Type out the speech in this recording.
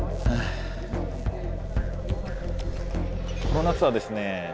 この夏はですね